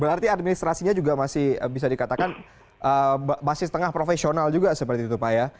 berarti administrasinya juga masih bisa dikatakan masih setengah profesional juga seperti itu pak ya